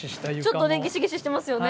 ちょっとねギシギシしてますよね。